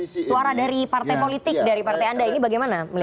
suara dari partai politik dari partai anda ini bagaimana